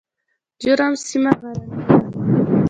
جرم سیمه غرنۍ ده؟